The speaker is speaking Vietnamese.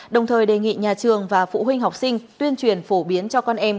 đồng thời đề nghị nhà trường và phụ huynh học sinh tuyên truyền phổ biến cho con em